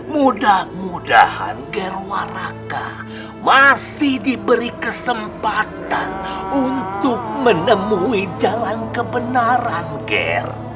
mudah mudahan gerwaraka masih diberi kesempatan untuk menemui jalan kebenaran ger